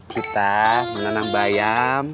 kita menanam bayam